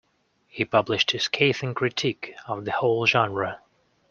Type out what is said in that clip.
He published a scathing critique of the whole genre.